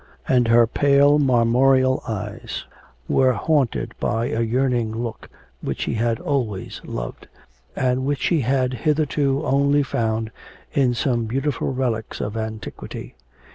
And her pale marmoreal eyes were haunted by a yearning look which he had always loved, and which he had hitherto only found in some beautiful relics of antiquity.